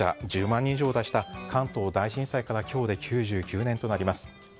１０万人以上を出した関東大震災から今日で９９年となります。